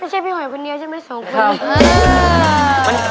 ไม่ใช่พี่หอยพะเนี๊ยวใช่มั้ยสองคน